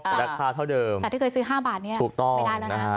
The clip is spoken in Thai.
แต่ราคาเท่าเดิมแต่ที่เคยซื้อห้าบาทเนี้ยถูกต้องไม่ได้แล้วนะฮะ